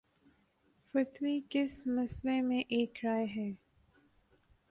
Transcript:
فتوی کس مسئلے میں ایک رائے ہے۔